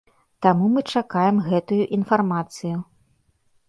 Таму мы чакаем гэтую інфармацыю.